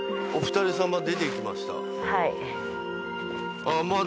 はい。